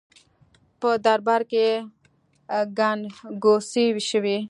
په دربار کې ګنګوسې شوې.